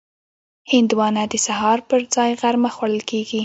هندوانه د سهار پر ځای غرمه خوړل کېږي.